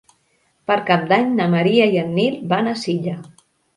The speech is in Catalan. Per Cap d'Any na Maria i en Nil van a Silla.